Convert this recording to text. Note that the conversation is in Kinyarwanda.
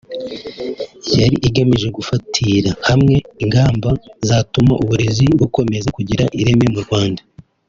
yari igamije gufatira hamwe ingamba zatuma uburezi bukomeza kugira ireme mu Rwanda